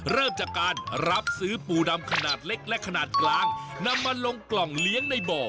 เริ่มจากการรับซื้อปูดำขนาดเล็กและขนาดกลางนำมาลงกล่องเลี้ยงในบ่อ